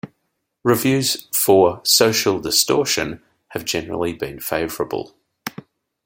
Reviews for "Social Distortion" have generally been favorable.